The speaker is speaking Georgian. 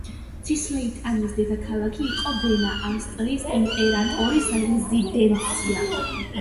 ცისლეიტანიის დედაქალაქი იყო ვენა, ავსტრიის იმპერატორის რეზიდენცია.